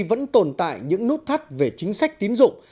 vẫn tồn tại những nút thắt về chính sách tín dụng